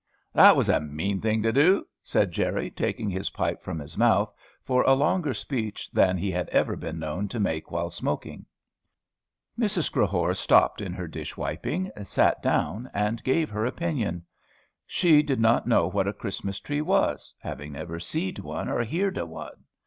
"That was a mean thing to do," said Jerry, taking his pipe from his mouth for a longer speech than he had ever been known to make while smoking. Mrs. Crehore stopped in her dish wiping, sat down, and gave her opinion. She did not know what a Christmas tree was, having never seed one nor heared of one.